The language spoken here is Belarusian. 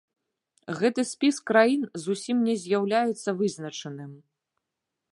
Гэты спіс краін зусім не з'яўляецца вызначаным.